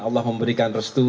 allah memberikan restu